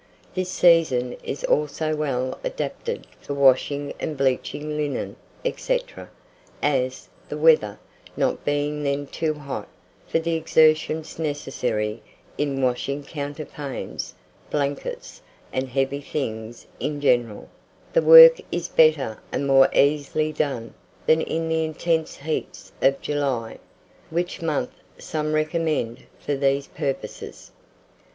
This season is also well adapted for washing and bleaching linen, &c., as, the weather, not being then too hot for the exertions necessary in washing counterpanes, blankets, and heavy things in general, the work is better and more easily done than in the intense heats of July, which month some recommend for these purposes.